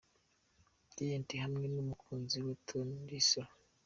Ginty hamwe n'umukunzi we Tom Risley.